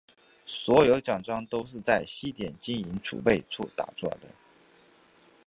所有奖章都是在西点金银储备处打造。